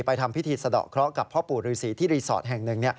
ทำพิธีสะดอกเคราะห์กับพ่อปู่ฤษีที่รีสอร์ทแห่งหนึ่ง